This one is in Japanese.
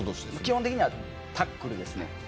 基本的にはタックルですね。